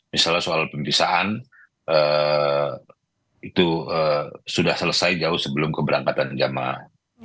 misalnya soal pembisahan itu sudah selesai jauh sebelum keberangkatan jamaah